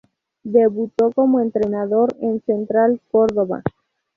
Debutó como entrenador en Central Córdoba.